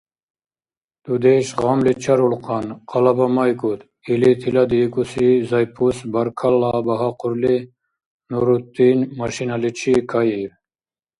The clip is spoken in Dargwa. — Дудеш гъамли чарулхъан, къалабамайкӀуд, — или тиладиикӀуси Зайпус баркалла багьахъурли, Нуруттин машиналичи кайиб.